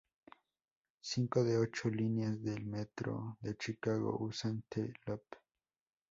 Cinco de las ocho líneas del Metro de Chicago usan The Loop.